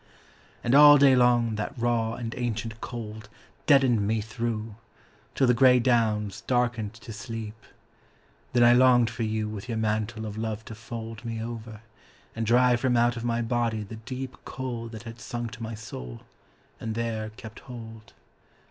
And all day long that raw and ancient cold Deadened me through, till the grey downs darkened to sleep. Then I longed for you with your mantle of love to fold Me over, and drive from out of my body the deep Cold that had sunk to my soul, and there kept hold.